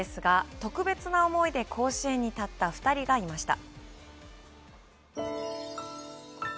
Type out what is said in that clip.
特別な思いで甲子園に立った２人がいました。